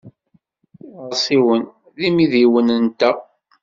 Iɣersiwen d imidiwen-nteɣ.